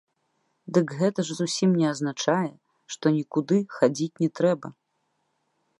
Дык гэта ж зусім не азначае, што нікуды хадзіць не трэба.